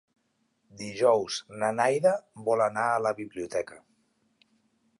Dijous na Neida vol anar a la biblioteca.